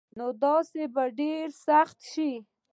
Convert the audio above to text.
نو داسي به ډيره سخته شي